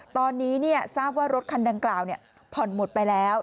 ตอนนี้ทราบว่ารถคันดังกล่าวผ่อนหมดไปแล้ว